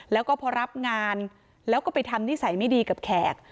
แล้วก็พอรับงานแล้วก็ไปทำนิสัยไม่ดีกับแขก